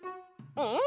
うん。